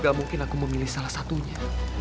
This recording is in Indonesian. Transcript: gak mungkin aku memilih salah satunya